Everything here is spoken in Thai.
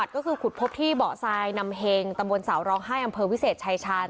ก็คือขุดพบที่เบาะทรายนำเห็งตำบลสาวร้องไห้อำเภอวิเศษชายชาญ